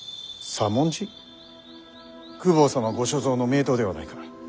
公方様ご所蔵の名刀ではないか。